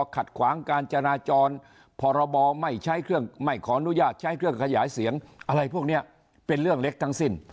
ขัดขวางการจราจรพรบไม่ใช้เครื่องไม่ขออนุญาตใช้เครื่องขยายเสียงอะไรพวกนี้เป็นเรื่องเล็กทั้งสิ้น